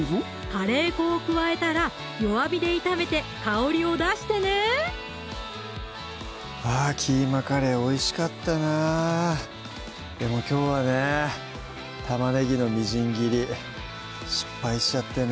カレー粉を加えたら弱火で炒めて香りを出してねあ「キーマカレー」おいしかったなでもきょうはね玉ねぎのみじん切り失敗しちゃってね